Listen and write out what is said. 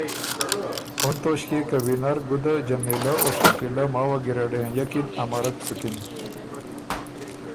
اُن توݭکيې که وینر ګُده جمیلۀ او شکیلۀ ماوه ګیرډ هېںئکِن امرک سُکِن